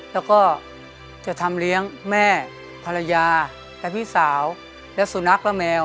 แล้วก็จะทำเลี้ยงแม่ภรรยาและพี่สาวและสุนัขและแมว